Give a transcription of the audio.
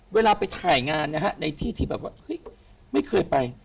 เวลาไปถ่ายงานนะฮะในที่ที่แบบว่าเฮ้ยไม่เคยไป